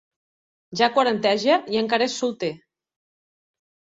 Ja quaranteja i encara és solter.